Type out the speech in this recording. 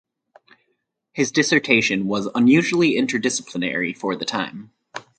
His dissertation was unusually interdisciplinary for the time.